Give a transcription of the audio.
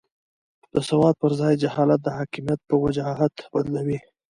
د سواد پر ځای جهالت د حاکمیت په وجاهت بدلوي.